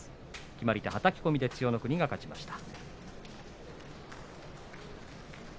決まり手は、はたき込み千代の国が勝ちました。